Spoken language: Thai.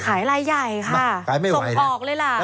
ขายลายใหญ่ค่ะส่งออกเลยล่ะ